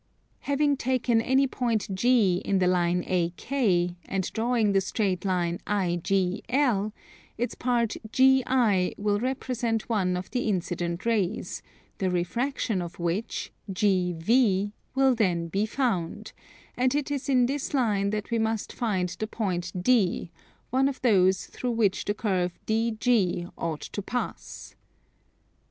Having taken any point G in the line AK, and drawing the straight line IGL, its part GI will represent one of the incident rays, the refraction of which, GV, will then be found: and it is in this line that we must find the point D, one of those through which the curve DG ought to pass.